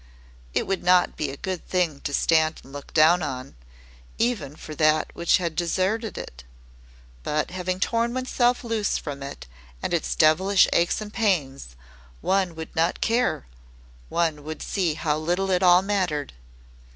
It would not be a good thing to stand and look down on even for that which had deserted it. But having torn oneself loose from it and its devilish aches and pains, one would not care one would see how little it all mattered.